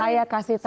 saya kasih tau